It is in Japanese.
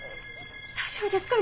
大丈夫ですか？